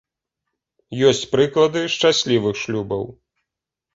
Ёсць прыклады шчаслівых шлюбаў.